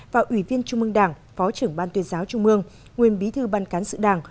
và ủy viên trung mương đảng phó trưởng ban tuyên giáo trung mương nguyên bí thư ban cán sự đảng